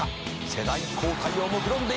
「世代交代をもくろんでいるか」